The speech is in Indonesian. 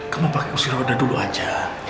kamu pakai kursi roda dulu aja